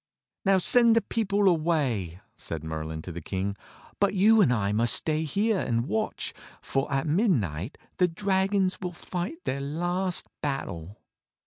"Now send the people away," said Merlin to the King, "but you and I must stay here and watch, for at midnight the dragons will fight their last battle."